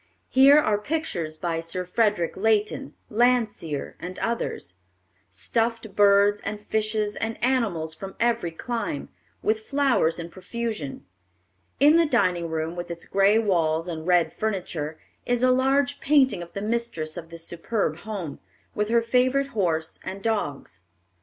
Here are pictures by Sir Frederick Leighton, Landseer, and others; stuffed birds and fishes and animals from every clime, with flowers in profusion. In the dining room, with its gray walls and red furniture, is a large painting of the mistress of this superb home, with her favorite horse and dogs.